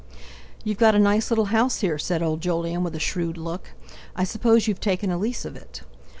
"You've got a nice little house here," said old Jolyon with a shrewd look; "I suppose you've taken a lease of it!"